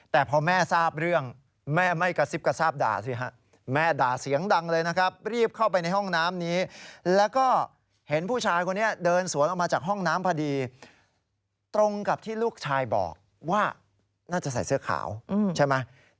แต่พอแม่ทราบเรื่องแม่ไม่กระซิบกระซาบด่าสิฮะแม่ด่าเสียงดังเลยนะครับรีบเข้าไปในห้องน้ำนี้แล้วก็เห็นผู้ชายคนนี้เดินสวนออกมาจากห้องน้ำพอดีตรงกับที่ลูกชายบอกว่าน่าจะใส่เสื้อขาวใช่ไหม